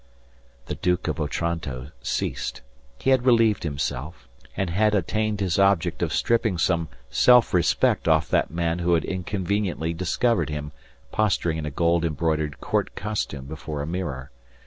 The Duke of Otranto ceased. He had relieved himself, and had attained his object of stripping some self respect off that man who had inconveniently discovered him posturing in a gold embroidered court costume before a mirror.